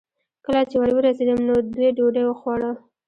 کله چې ور ورسېدم، نو دوی ډوډۍ خوړه.